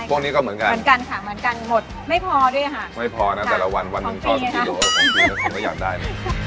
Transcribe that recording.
พวกนี้ก็เหมือนกันเหมือนกันค่ะเหมือนกันหมดไม่พอด้วยค่ะไม่พอนะแต่ละวันวันหนึ่งทอดสุดท้ายอยู่ออกของพี่แล้วผมก็อยากได้